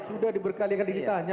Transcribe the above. sudah diberkaliakan ditanya